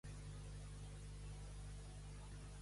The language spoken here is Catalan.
No em tapes la llum, que no clareges.